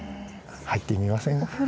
入ってみません？